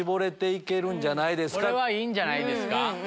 いいんじゃないですか。